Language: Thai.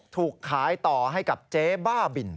ถูกขายต่อให้กับเจ๊บ้าบิน